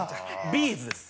「ビーズ」です。